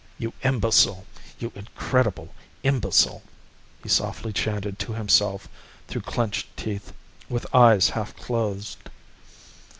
"You imbecile, you incredible imbecile," he softly chanted to himself through clenched teeth, with eyes half closed.